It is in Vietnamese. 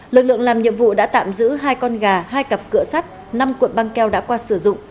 lực lượng làm nhiệm vụ đã tạm giữ hai con gà hai cặp cửa sắt năm cuộn băng keo đã qua sử dụng